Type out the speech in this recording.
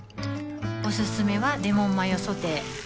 おすすめはレモンマヨソテー